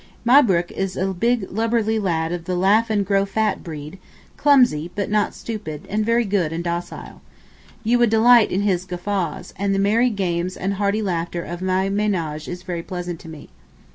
Mahbrook is a big lubberly lad of the laugh and grow fat breed, clumsy, but not stupid, and very good and docile. You would delight in his guffaws, and the merry games and hearty laughter of my ménage is very pleasant to me.